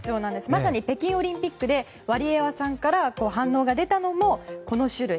まさに北京オリンピックでワリエワさんから反応が出たのも、この種類。